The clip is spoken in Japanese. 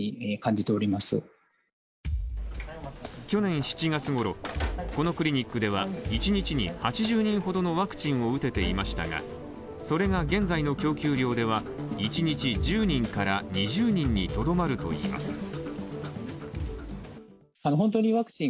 去年７月ごろ、このクリニックでは一日に８０人ほどのワクチンを打てていましたがそれが現在の供給量では一日１０人から２０人にとどまるといいます。